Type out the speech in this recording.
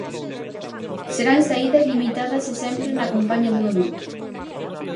Serán saídas limitadas e sempre na compaña dun adulto.